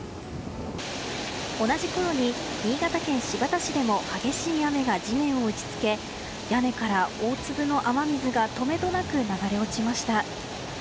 同じころに、新潟県新発田市でも激しい雨が地面を打ち付け屋根から大粒の雨水がとめどなく流れ落ちました。